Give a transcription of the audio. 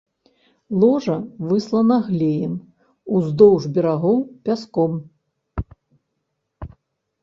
Ложа выслана глеем, уздоўж берагоў пяском.